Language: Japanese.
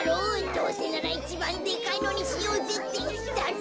どうせならいちばんでかいのにしようぜっていったの。